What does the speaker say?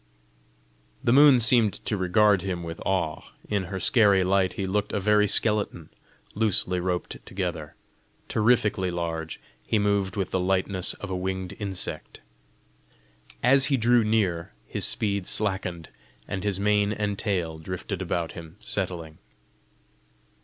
The moon seemed to regard him with awe; in her scary light he looked a very skeleton, loosely roped together. Terrifically large, he moved with the lightness of a winged insect. As he drew near, his speed slackened, and his mane and tail drifted about him settling.